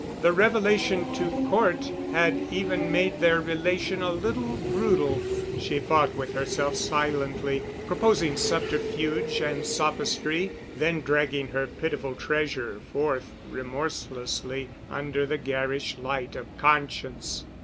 The revelation to Cort had even made their relation a little brutal. She fought with herself silently, proposing subterfuge and sophistry, then dragging her pitiful treasure forth remorselessly under the garish light of conscience.